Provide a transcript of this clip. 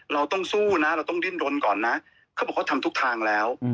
เราต้องสู้นะเราต้องดิ้นรนก่อนนะเขาบอกเขาทำทุกทางแล้ว